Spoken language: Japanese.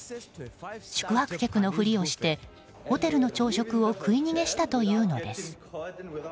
宿泊客のふりをしてホテルの朝食を食い逃げしたというのです。